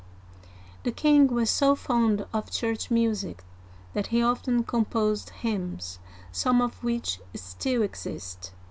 '* The king was so fond of church music that he often composed hymns, some of which still exist.